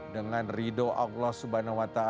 dengan ridho allah swt